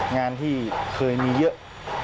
งานที่เคยมีเยอะ